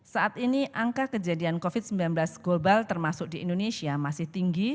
saat ini angka kejadian covid sembilan belas global termasuk di indonesia masih tinggi